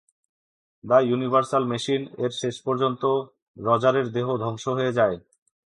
"The universal machine" এর শেষ পর্যন্ত, রজারের দেহ ধ্বংস হয়ে যায়।